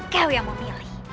kau yang memilih